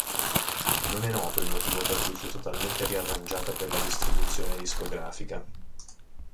Non è noto il motivo per cui fu totalmente riarrangiata per la distribuzione discografica.